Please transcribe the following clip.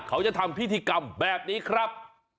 เขาจะทำพิธีกรรมแบบนี้ครับ